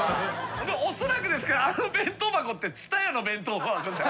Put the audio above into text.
おそらくですがあの弁当箱って津多屋の弁当箱じゃないっすか？